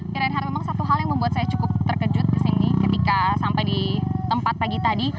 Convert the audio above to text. ya reinhard memang satu hal yang membuat saya cukup terkejut kesini ketika sampai di tempat pagi tadi